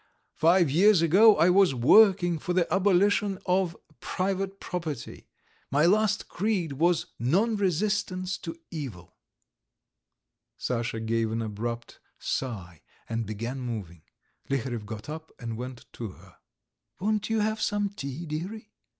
Five years ago I was working for the abolition of private property; my last creed was non resistance to evil." Sasha gave an abrupt sigh and began moving. Liharev got up and went to her. "Won't you have some tea, dearie?"